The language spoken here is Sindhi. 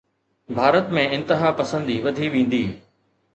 ڀارت ۾ انتهاپسندي وڌي ويندي.